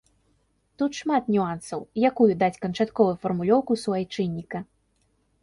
Тут шмат нюансаў, якую даць канчатковую фармулёўку суайчынніка.